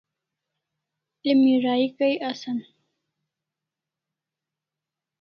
Emi rahi Kai asan